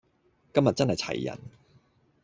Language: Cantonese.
今日真係齊人